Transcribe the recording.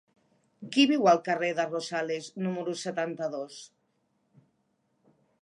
Qui viu al carrer de Rosales número setanta-dos?